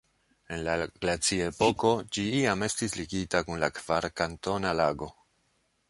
En la glaciepoko ĝi iam estis ligita kun la Kvarkantona Lago.